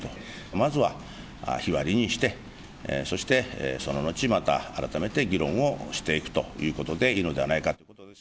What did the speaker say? まずは日割りにして、そしてその後、また改めて議論をしていくということでいいのではないかと。